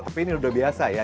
tapi ini udah biasa ya